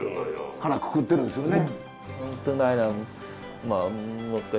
腹くくってるんですよね。